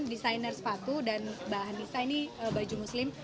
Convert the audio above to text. desainer sepatu dan mbak anissa ini baju muslim